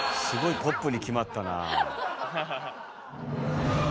すごいポップに決まったなあ。